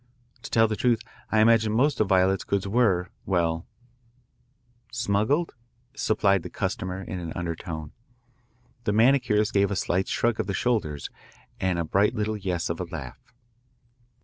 To tell the truth, I imagine most of Violette's goods were well ' "'Smuggled?' supplied the customer in an undertone. "The manicurist gave a slight shrug of the shoulders and a bright little yes of a laugh.